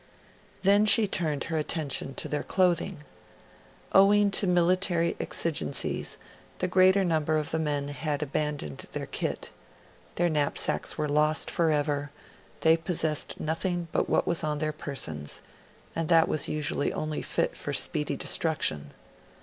Then she turned her attention to their clothing. Owing to military exigencies, the greater number of the men had abandoned their kit; their knapsacks were lost forever; they possessed nothing but what was on their persons, and that was usually only fit for speedy destruction.